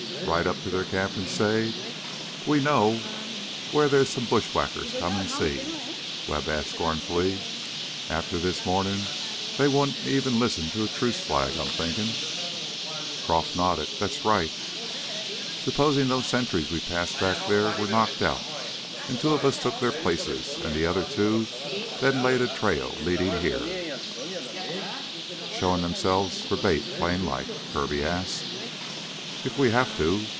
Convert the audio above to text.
Ride up to their camp an' say, 'We know wheah at theah's some bushwhackers, come'n see'?" Webb asked scornfully. "After this mornin' they won't even listen to a truce flag, I'm thinkin'." Croff nodded. "That's right." "Supposin' those sentries we passed back there were knocked out and two of us took their places and the other two then laid a trail leadin' here?" "Showin' themselves for bait, plainlike?" Kirby asked. "If we have to.